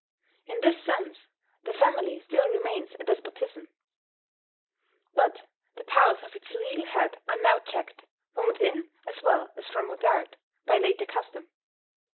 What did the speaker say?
In this sense, the family still remains a despotism; but the powers of its legal head are now checked, from within as well as from without, by later custom.